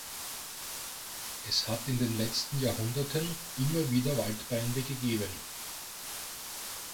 Es hat in den letzten Jahrhunderten immer wieder Waldbrände gegeben.